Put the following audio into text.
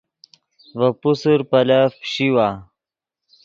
ڤے پوسر پیلف پیشیوا